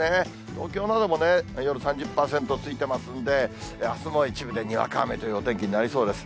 東京などもね、夜３０％ついてますんで、あすも一部でにわか雨というお天気になりそうです。